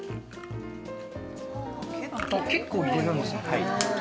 結構入れるんですね。